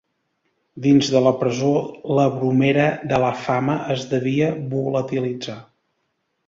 Dins de la presó la bromera de la fama es devia volatilitzar.